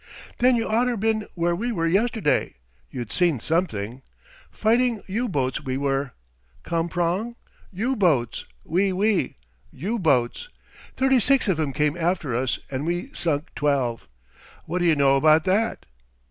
Then you oughter been where we were yesterday. Yuh'd seen something. Fighting U boats we were. Comprong? U boats wee, wee, U boats. Thirty six of 'em came after us an' we sunk twelve. Whaddyer know about that?"